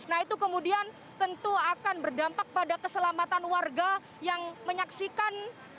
nah itu kemudian tentu akan berdampak pada keselamatan warga yang menyaksikan